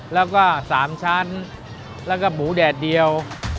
แล้วก็๓ชั้นแล้วก็หมูแดดเดียว